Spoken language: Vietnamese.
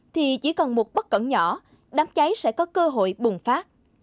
thì chỉ còn một bất cẩn nhỏ đám cháy sẽ có cơ hội bùng phát